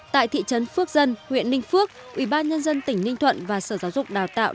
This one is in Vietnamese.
tại thị trấn phước dân huyện ninh phước ubnd tỉnh ninh thuận và sở giáo dục đào tạo